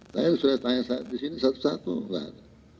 saya sudah tanya disini satu satu gak ada